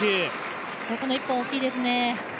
この１本、大きいですね。